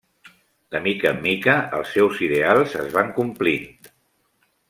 De mica en mica, els seus ideals es van complint.